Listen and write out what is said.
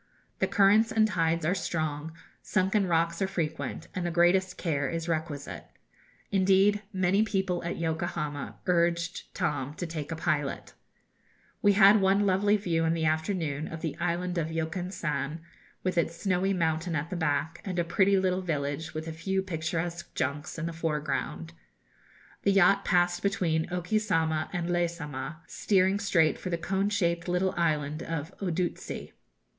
The currents and tides are strong, sunken rocks are frequent, and the greatest care is requisite. Indeed, many people at Yokohama urged Tom to take a pilot. [Illustration: Yoken San or Sacred Mountain, Inland Sea] We had one lovely view in the afternoon of the island of Yoken San, with its snowy mountain at the back, and a pretty little village, with a few picturesque junks in the foreground. The yacht passed between Oki Sama and Le Sama, steering straight for the cone shaped little island of Odutsi.